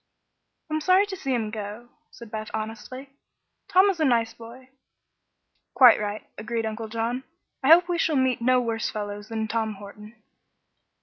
"I'm sorry to see him go," said Beth, honestly. "Tom is a nice boy." "Quite right," agreed Uncle John. "I hope we shall meet no worse fellows than Tom Horton."